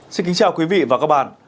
xin kính chào quý vị và các bạn